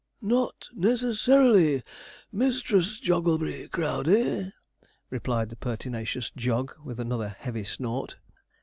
'Not necessarily. Mistress Jogglebury Crowdey,' replied the pertinacious Jog, with another heavy snort.